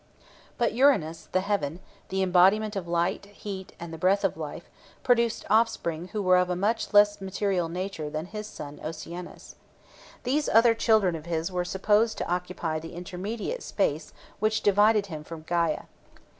But Uranus, the heaven, the embodiment of light, heat, and the breath of life, produced offspring who were of a much less material nature than his son Oceanus. These other children of his were supposed to occupy the intermediate space which divided him from Gæa.